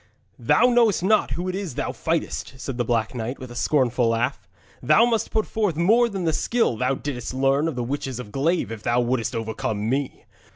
'Thou knowest not who it is thou fightest,' said the Black Knight, with a scornful laugh. 'Thou must put forth more than the skill thou didst learn of the witches of Glaive if thou wouldst overcome me.